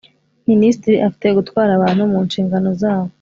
minisitiri afite gutwara abantu mu nshingano zabo